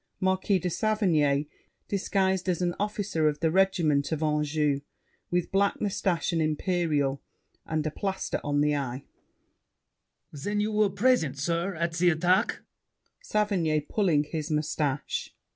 Marquis de Saverny, disguised as an officer of the Regiment of Anjou; with black mustache and imperial, and a plaster on the eye LAFFEMAS. Then you were present, sir, at the attack? SAVERNY (pulling his mustache).